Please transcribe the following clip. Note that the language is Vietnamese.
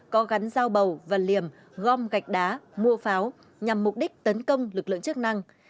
có gắn dao bầu và liềm gom gạch đá mua pháo nhằm mục đích tấn công lực lượng chức năng